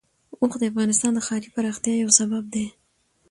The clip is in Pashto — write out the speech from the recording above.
اوښ د افغانستان د ښاري پراختیا یو سبب دی.